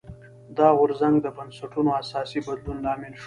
دا غورځنګ د بنسټونو اساسي بدلون لامل شو.